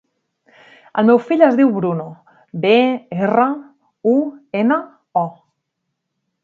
El meu fill es diu Bruno: be, erra, u, ena, o.